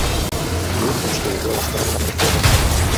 Jejich texty byly nastaveny naprosto jednoznačně.